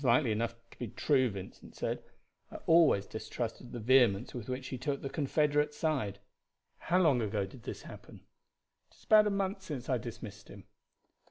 "It is likely enough to be true," Vincent said. "I always distrusted the vehemence with which he took the Confederate side. How long ago did this happen?" "It is about a month since I dismissed him."